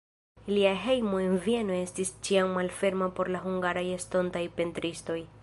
Lia hejmo en Vieno estis ĉiam malferma por la hungaraj estontaj pentristoj.